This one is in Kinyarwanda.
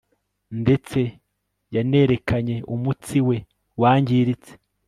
Ndetse yanerekanye umutsi we wangiritse